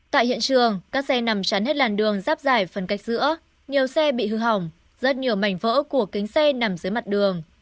tại hiện trường các xe nằm chắn hết làn đường giáp dài phần cách giữa nhiều xe bị hư hỏng rất nhiều mảnh vỡ của kính xe nằm dưới mặt đường